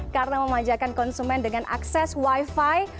karena memajakan konsumen dengan akses wifi